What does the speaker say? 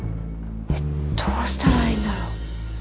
えっどうしたらいいんだろう。